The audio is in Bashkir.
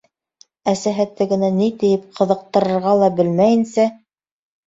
Әсәһе тегене ни тиеп ҡыҙыҡтырырға ла белмәйенсә: